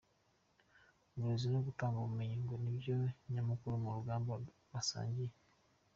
Uburezi no gutanga ubumenyi ngo nibyo nyamukuru mu rugamba basangiye.